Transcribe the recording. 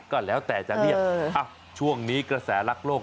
ก็แล้วแต่จะเรียกช่วงนี้กระแสรักโลก